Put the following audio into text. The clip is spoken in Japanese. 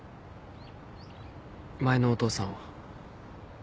前のお父さんは？